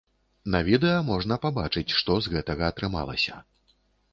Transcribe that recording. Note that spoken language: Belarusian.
На відэа можна пабачыць, што з гэтага атрымалася.